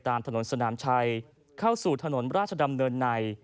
ถนนสนามชัยเข้าสู่ถนนราชดำเนินใน